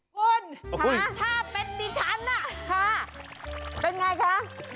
คุณถ้าเป็นดิฉันค่ะเป็นอย่างไรคะ